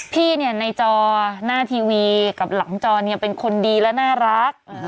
พี่เนี่ยในจอหน้าทีวีกับหลังจอเนี่ยเป็นคนดีและน่ารัก